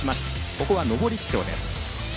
ここは上り基調です。